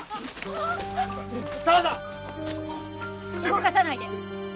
動かさないで！